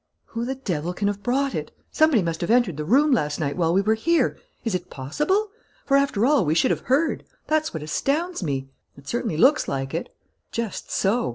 "Who the devil can have brought it? Somebody must have entered the room last night while we were here. Is it possible? For, after all, we should have heard. That's what astounds me." "It certainly looks like it." "Just so.